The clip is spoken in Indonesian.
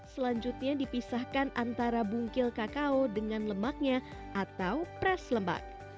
selanjutnya dipisahkan antara bungkil kakao dengan lemaknya atau pres lemak